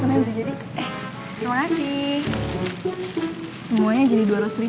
eh terima kasih